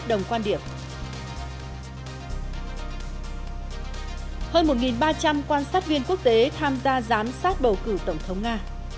hơn một ba trăm linh quan sát viên quốc tế tham gia giám sát bầu cử tổng thống nga